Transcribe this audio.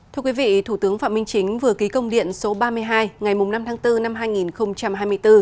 thưa quý vị thủ tướng phạm minh chính vừa ký công điện số ba mươi hai ngày năm tháng bốn năm hai nghìn hai mươi bốn